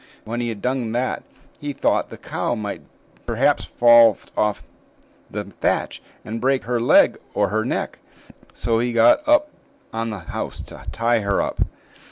When he had done that, he thought the cow might perhaps fall off the thatch and break her legs or her neck. So he got up on the house to tie her up.